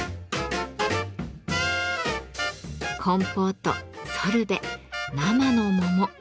コンポートソルベ生の桃。